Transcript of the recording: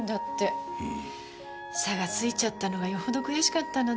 差がついちゃったのがよほど悔しかったのね。